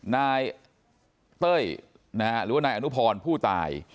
นายเต้ยหรือว่านายอนุพรผู้ตาย